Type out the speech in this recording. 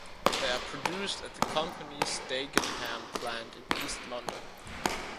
They are produced at the company's Dagenham plant in east London.